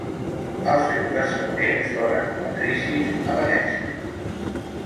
Els seus descendents foren patricis a Venècia.